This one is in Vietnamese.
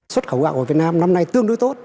xuất khẩu gạo của việt nam năm nay tương đối tốt